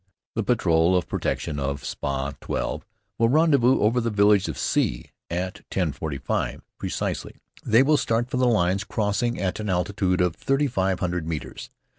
The patrol of protection of Spa. 12 will rendezvous over the village of C . At 10.45, precisely, they will start for the lines, crossing at an altitude of thirty five hundred metres.